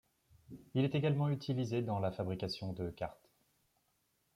Il est également utilisé dans la fabrication de cartes.